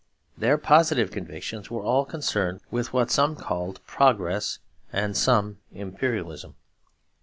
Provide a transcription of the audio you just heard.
Their positive convictions were all concerned with what some called progress and some imperialism.